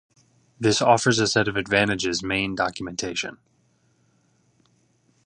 This offers a set of advantages main documentation.